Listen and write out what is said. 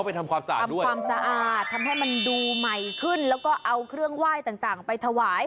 ไปทำความสะอาดด้วยความสะอาดทำให้มันดูใหม่ขึ้นแล้วก็เอาเครื่องไหว้ต่างไปถวาย